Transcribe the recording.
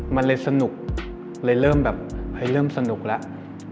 มันเลยสนุกเลยเริ่มแบบเฮ้ยเริ่มสนุกแล้ว